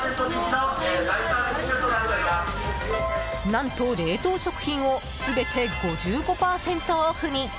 何と、冷凍食品を全て５５％オフに！